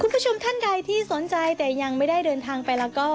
คุณผู้ชมท่านใดที่สนใจแต่ยังไม่ได้เดินทางไปแล้วก็